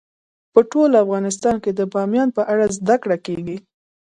په ټول افغانستان کې د بامیان په اړه زده کړه کېږي.